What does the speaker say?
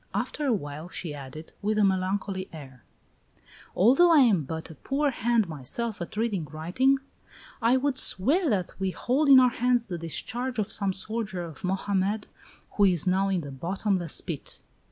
After a while she added, with a melancholy air: "Although I am but a poor hand myself at reading writing, I would swear that we hold in our hands the discharge of some soldier of Mohammed who is now in the bottomless pit."